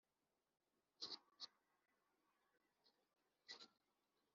ni ndamuka ndangije ibyo ndimo ndakubwira